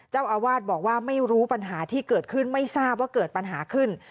เจ้าอาวาสบอกว่าไม่รู้ปัญหาที่เกิดขึ้นไม่ทราบว่าเกิดปัญหาขึ้น